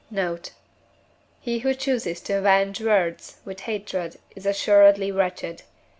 Note. He who chooses to avenge wrongs with hatred is assuredly wretched.